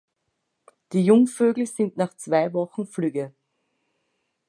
Die Jungvögel sind nach zwei Wochen flügge.